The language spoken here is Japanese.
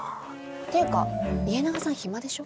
ていうかイエナガさん暇でしょ？